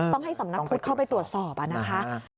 ต้องให้สำนักพุทธเข้าไปตรวจสอบนะคะ